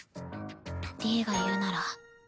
利恵が言うなら。